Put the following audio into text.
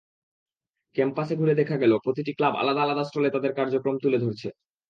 ক্যাম্পাসে ঘুরে দেখা গেল, প্রতিটি ক্লাব আলাদা আলাদা স্টলে তাদের কার্যক্রম তুলে ধরছে।